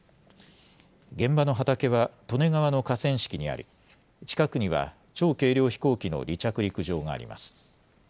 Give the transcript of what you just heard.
現場の畑は利根川の河川敷にあり近くには超軽量飛行機の離着陸場があります。